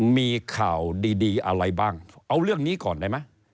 มีข่าวดีอะไรบ้างเอาเรื่องนี้ก่อนได้ไหม